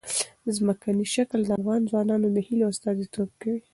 ځمکنی شکل د افغان ځوانانو د هیلو استازیتوب کوي.